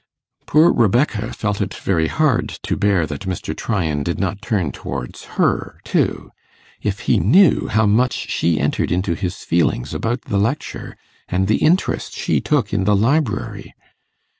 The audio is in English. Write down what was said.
Poor Rebecca felt it very hard to bear that Mr. Tryan did not turn towards her too. If he knew how much she entered into his feelings about the lecture, and the interest she took in the library.